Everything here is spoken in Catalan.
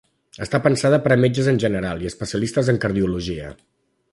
Està pensada per a metges en general i especialistes en cardiologia.